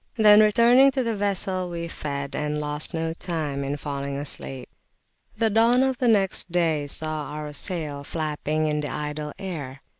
Then returning to the vessel we fed, and lost no time in falling asleep. The dawn of the next day saw our sail flapping in the idle air.